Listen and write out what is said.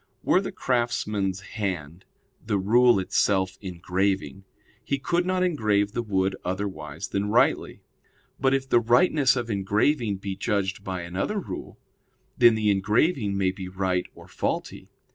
Were the craftsman's hand the rule itself engraving, he could not engrave the wood otherwise than rightly; but if the rightness of engraving be judged by another rule, then the engraving may be right or faulty.